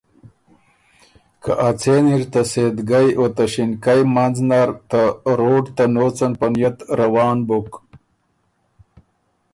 که ا څېن اِر ته سېدګئ او ته ݭِنکئ منځ نر ته روډ ته نوڅن په نيت روان بُک۔